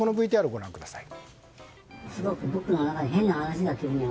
ＶＴＲご覧ください。